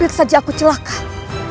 di sini laporan kan ada hati